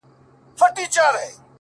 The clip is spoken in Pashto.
ستا د خولې خندا يې خوښه سـوېده،